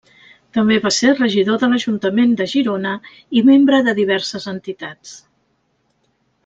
També va ser regidor de l'ajuntament de Girona, i membre de diverses entitats.